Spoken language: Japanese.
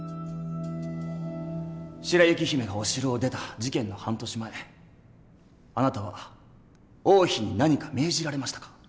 白雪姫がお城を出た事件の半年前あなたは王妃に何か命じられましたか？